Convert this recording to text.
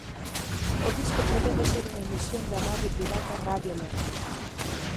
O disco pretende ser unha emisión da radio pirata Radio London.